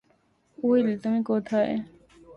Will, তুমি কোথায়?